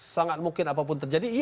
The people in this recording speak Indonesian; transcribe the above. sangat mungkin apapun terjadi